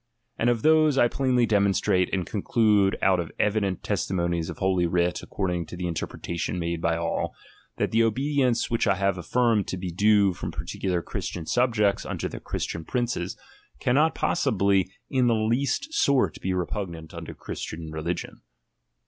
And of those I plainly demonstrate, and conclude out of evident testimonies of holy writ according to the interpretation made by all, that the obedience, which I have aflSrmed to be due from particular Christian subjects unto their Christian princes, cannot possibly in the least sort he repugnant unto Christian religion.